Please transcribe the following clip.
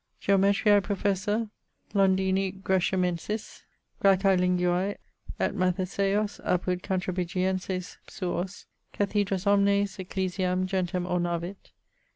Geometriae professor Londini Greshamensis, Graecae linguae et Matheseos apud Cantabrigienses suos, Cathedras omnes, ecclesiam, gentem ornavit.